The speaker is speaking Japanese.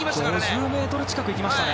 ５０ｍ近く行きましたね。